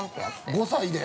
◆５歳で？